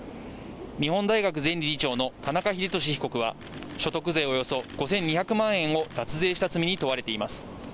日本大学前理事長の田中英壽被告は、所得税およそ５２００万円を脱税した罪に問われています。